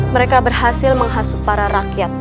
mereka berhasil menghasut para rakyat